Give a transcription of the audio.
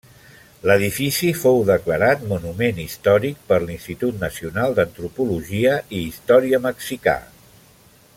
L'edifici fou declarat monument històric per l'Institut Nacional d'Antropologia i Història mexicà.